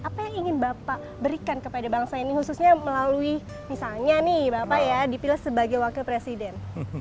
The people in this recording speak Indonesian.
apa yang ingin bapak berikan kepada bangsa ini khususnya melalui misalnya nih bapak ya dipilih sebagai wakil presiden